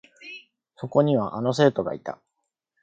そこには、あの生徒がいた。